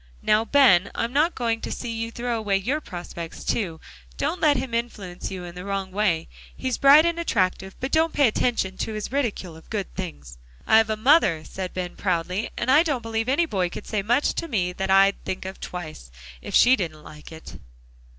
Now, Ben, I'm not going to see you throw away your prospects, too. Don't let him influence you in the wrong way. He's bright and attractive, but don't pay attention to his ridicule of good things." "I've a mother," said Ben proudly, "and I don't believe any boy could say much to me, that I'd think of twice, if she didn't like it."